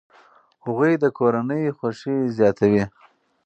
هغوی د کورنۍ خوښي زیاتوي.